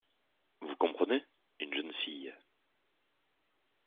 Vous comprenez, une jeune fille.